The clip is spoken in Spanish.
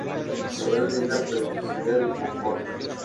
Además brindan practicidad y confort.